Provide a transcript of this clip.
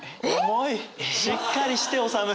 しっかりして治！